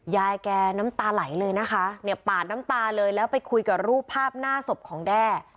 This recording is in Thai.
ยายแกน้ำตาไหลเลยนะคะเนี่ยปาดน้ำตาเลยแล้วไปคุยกับรูปภาพหน้าศพของแด้